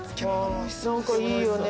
何かいいよね。